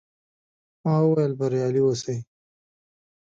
ما وویل، بریالي اوسئ.